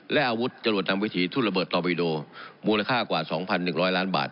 และอาวุธจรวดนำวิธีทุ่นระเบิดตอบิโดมูลค่ากว่าสองพันหนึ่งร้อยล้านบาท